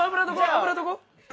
油どこ？